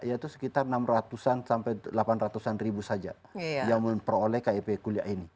yaitu sekitar enam ratus delapan ratus ribu saja yang memperoleh kip kuliah ini